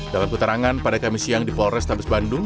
dalam keterangan pada kamis siang di polrestabes bandung